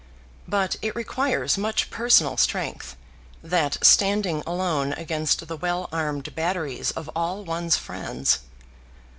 But it requires much personal strength, that standing alone against the well armed batteries of all one's friends.